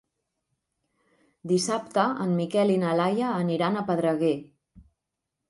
Dissabte en Miquel i na Laia aniran a Pedreguer.